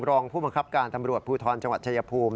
รองผู้บังคับการตำรวจภูทรจังหวัดชายภูมิ